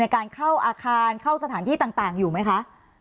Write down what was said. การเข้าอาคารเข้าสถานที่ต่างอยู่ไหมคะ